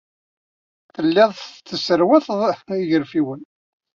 Tellid tesserwaled igerfiwen.